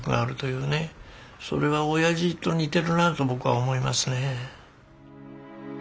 それは親父と似てるなと僕は思いますねぇ。